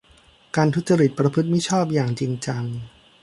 การทุจริตประพฤติมิชอบอย่างจริงจัง